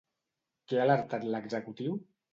Què ha alertat l'executiu?